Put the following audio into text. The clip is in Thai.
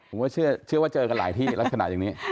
ผมว่าเชื่อว่าเจอกันหลายที่ลักษณะอย่างนี้